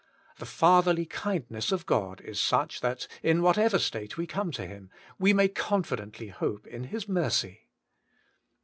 The fatherly kindness of God is such that, in whatever state we come to Him, we may confidently hope in His mercy.